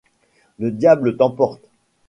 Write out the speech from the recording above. Le diable t’emporte !